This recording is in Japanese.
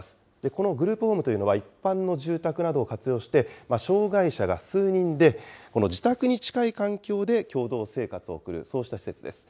このグループホームというのは、一般の住宅などを活用して、障害者が数人で、この自宅に近い環境で共同生活を送る、そうした施設です。